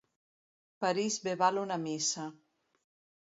París bé val una missa.